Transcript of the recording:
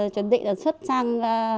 chuẩn bị xuất sang